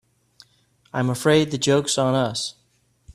I'm afraid the joke's on us.